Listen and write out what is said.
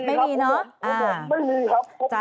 ไม่มีครับครบหมดครับ